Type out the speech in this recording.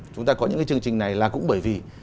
chúng ta có những cái chương trình này là cũng bởi vì